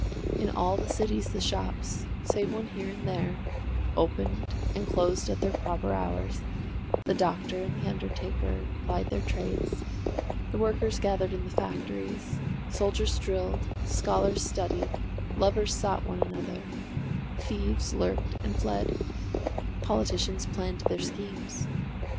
In all the cities the shops, save one here and there, opened and closed at their proper hours, the doctor and the undertaker plied their trades, the workers gathered in the factories, soldiers drilled, scholars studied, lovers sought one another, thieves lurked and fled, politicians planned their schemes.